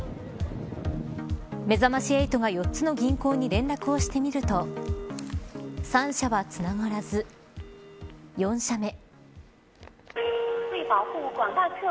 めざまし８が、４つの銀行に連絡をしてみると３社はつながらず４社目。